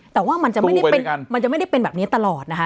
แต่ว่ามันจะไม่ได้เป็นแบบนี้ตลอดนะคะ